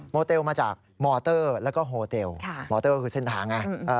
เตลมาจากมอเตอร์แล้วก็โฮเตลมอเตอร์ก็คือเส้นทางไง